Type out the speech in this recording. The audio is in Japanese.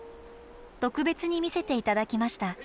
特別に見せて頂きました。